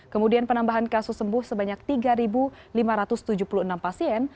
kemudian penambahan kasus sembuh sebanyak tiga lima ratus tujuh puluh enam pasien